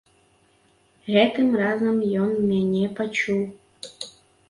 Гэтым разам ён мяне пачуў.